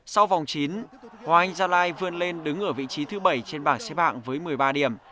sau vòng chín hoàng anh gia lai vươn lên đứng ở vị trí thứ bảy trên bảng xếp hạng với một mươi ba điểm